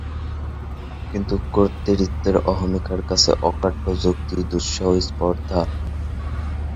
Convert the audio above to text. কিন্তু কর্তৃত্বের অহমিকার কাছে অকাট্য যুক্তিই দুঃসহ স্পর্ধা।